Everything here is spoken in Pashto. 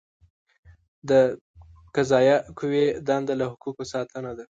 د قضائیه قوې دنده له حقوقو ساتنه ده.